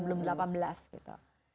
belum delapan belas gitu